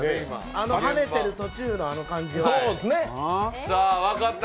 あのはねてる途中のあの感じを？